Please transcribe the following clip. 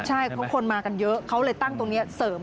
ใช่เพราะคนมากันเยอะเขาเลยตั้งตรงนี้เสริม